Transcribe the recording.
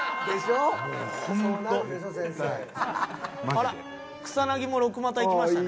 あら草薙も六股いきましたね。